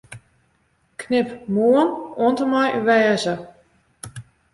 Knip 'Moarn' oant en mei 'wêze'.